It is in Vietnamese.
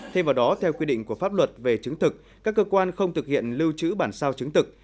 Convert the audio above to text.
thêm vào đó theo quy định của pháp luật về chứng thực các cơ quan không thực hiện lưu trữ bản sao chứng thực